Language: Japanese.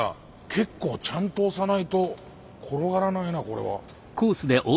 結構ちゃんと押さないと転がらないなこれは。